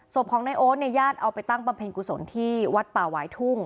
ศพของนายโอ๊ตเนี่ยญาติเอาไปตั้งบำเพ็ญกุศลที่วัดป่าหวายทุ่ง